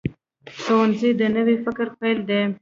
ښوونځی د نوي فکر پیل دی